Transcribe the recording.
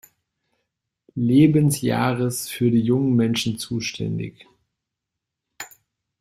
Lebensjahres für die jungen Menschen zuständig.